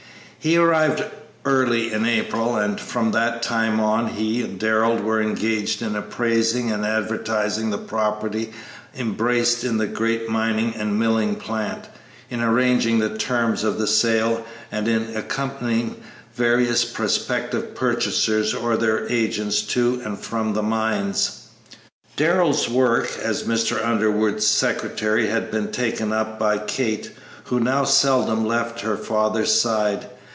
He arrived early in April, and from that time on he and Darrell were engaged in appraising and advertising the property embraced in the great mining and milling plant, in arranging the terms of sale, and in accompanying various prospective purchasers or their agents to and from the mines. Darrell's work as Mr. Underwood's secretary had been taken up by Kate, who now seldom left her father's side.